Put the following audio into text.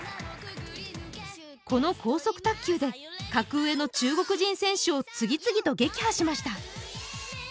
この高速卓球で格上の中国人選手を次々と撃破しました。